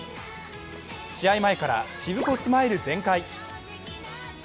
試合前からシブコスマイル全開。